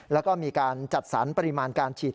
แล้วก็มีการจัดสรรปริมาณการฉีด